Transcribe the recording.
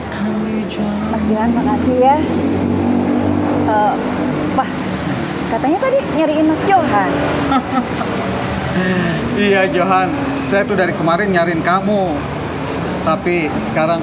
katanya tadi nyariin mas johan iya johan saya tuh dari kemarin nyariin kamu tapi sekarang